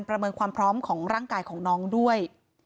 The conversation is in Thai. ประเมินความพร้อมของร่างกายของน้องด้วย